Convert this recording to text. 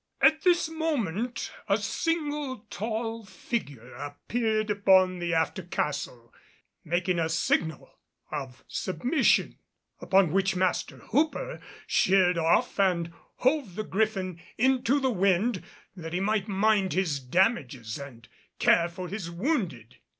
At this moment a single tall figure appeared upon the after castle making a signal of submission. Upon which Master Hooper sheered off and hove the Griffin into the wind that he might mind his damages and care for his wounded.